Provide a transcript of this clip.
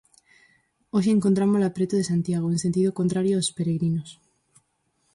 Hoxe encontrámola preto de Santiago, en sentido contrario aos peregrinos.